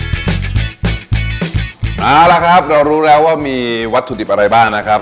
เอาละครับเรารู้แล้วว่ามีวัตถุดิบอะไรบ้างนะครับ